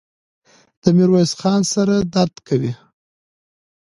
د ميرويس خان سر درد کاوه.